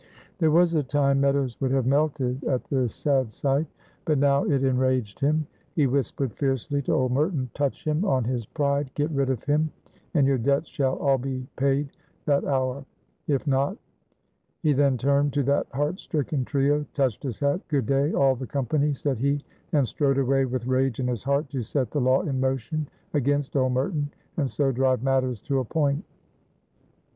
There was a time Meadows would have melted at this sad sight, but now it enraged him. He whispered fiercely to old Merton: "Touch him on his pride; get rid of him, and your debts shall be all paid that hour; if not " He then turned to that heart stricken trio, touched his hat, "Good day, all the company," said he, and strode away with rage in his heart to set the law in motion against old Merton, and so drive matters to a point.